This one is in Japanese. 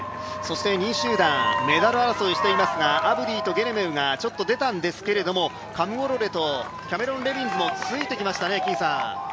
２位集団、メダル争いをしていますが、アブディとゲレメウがちょっと出たんですけどもカムウォロレとキャメロン・レビンズもきましたね。